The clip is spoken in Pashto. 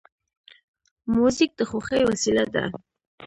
موزیک د خوښۍ وسیله ده.